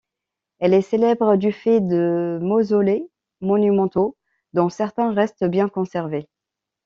Elle est célèbre du fait de mausolées monumentaux dont certains restent bien conservés.